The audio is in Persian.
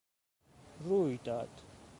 روی داد